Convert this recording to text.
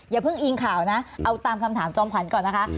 อย่าเพิ่งอิงข่าวนะเอาตามคำถามจอมขวัญก่อนนะคะ